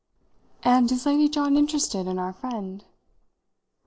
"And is Lady John interested in our friend?"